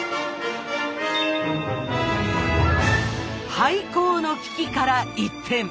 廃校の危機から一転。